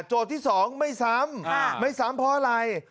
ที่๒ไม่ซ้ำไม่ซ้ำเพราะอะไร